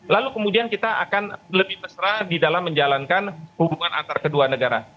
lalu kemudian kita akan lebih mesra di dalam menjalankan hubungan antar kedua negara